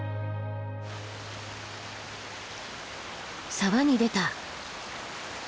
沢に出た。